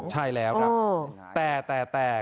ใช่แล้วครับแต่แต่แต่